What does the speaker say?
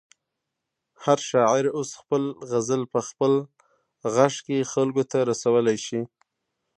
هر شاعر اوس خپل غزل په خپل غږ کې خلکو ته رسولی شي.